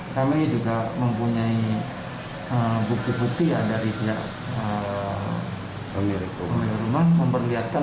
kami juga mempunyai bukti bukti ya dari pihak pemilik rumah memperlihatkan